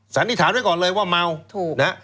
สันนิษฐานไว้ก่อนเลยว่าเมาถูกนะ